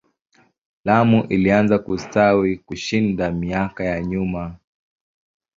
Lamu ilianza kustawi kushinda miaka ya nyuma.